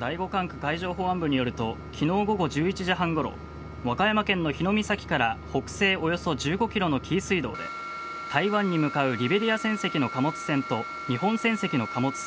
第５管区海上保安部によると昨日午後１１時半ごろ岡山県の日ノ御埼から北西およそ１５ｋｍの紀伊水道で台湾に向かうリベリア船籍の貨物船と日本船籍の貨物船